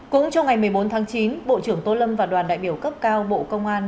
cũng trong ngày một mươi bốn tháng chín bộ trưởng tô lâm và đoàn đại biểu cấp cao bộ công an